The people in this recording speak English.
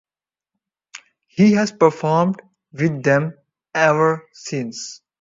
He has performed with them ever since.